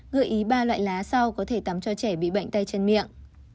gợi ý ba loại lá sau có thể tắm cho trẻ bị bệnh tay chân miệng